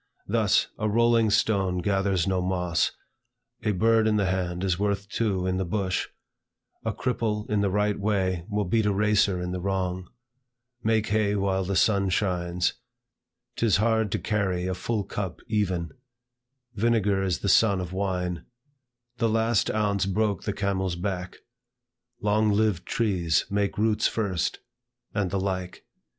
Thus; A rolling stone gathers no moss; A bird in the hand is worth two in the bush; A cripple in the right way, will beat a racer in the wrong; Make hay while the sun shines; 'T is hard to carry a full cup even; Vinegar is the son of wine; The last ounce broke the camel's back; Long lived trees make roots first; and the like.